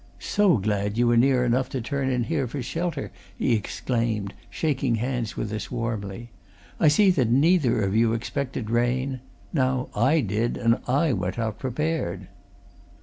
"So glad you were near enough to turn in here for shelter!" he exclaimed, shaking hands with us warmly. "I see that neither of you expected rain now, I did, and I went out prepared."